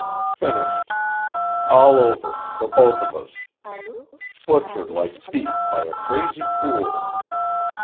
"Finished. All over for both of us. Butchered like beef by a crazy fool.